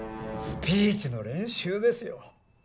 スピーチの練習ですよ。